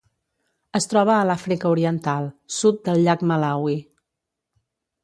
Es troba a l'Àfrica Oriental: sud del llac Malawi.